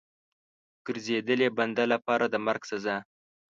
ګرځېدلي بنده لپاره د مرګ سزا.